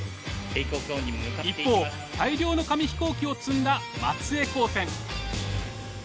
一方大量の紙飛行機を積んだ松江高専。